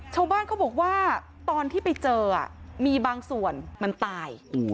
ชาวบ้านเขาบอกว่าตอนที่ไปเจอมีบางส่วนมันตาย